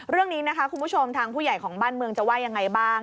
เรื่องนี้นะคะคุณผู้ชมทางผู้ใหญ่ของบ้านเมืองจะว่ายังไงบ้าง